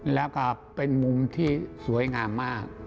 แล้วก็เป็นมุมที่สวยงามมาก